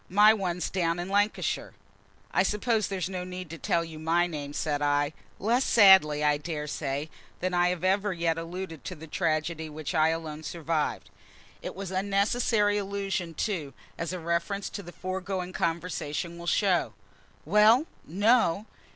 My one's down in Lancashire." "I suppose there's no need to tell my name?" said I, less sadly, I daresay, than I had ever yet alluded to the tragedy which I alone survived. It was an unnecessary allusion, too, as a reference to the foregoing conversation will show. "Well, no!"